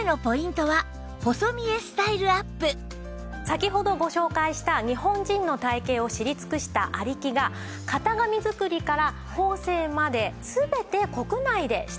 先ほどご紹介した日本人の体形を知り尽くした有木が型紙作りから縫製まで全て国内で仕立てております。